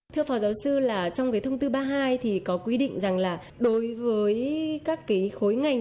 thưa phó giáo sư trong thông tư ba mươi hai có quy định rằng đối với các khối ngành